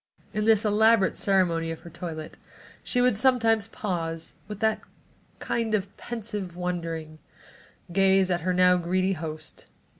In this elaborate ceremony of her toilet, she would sometimes pause, and with a kind of pensive wondering, gaze at her now greedy host.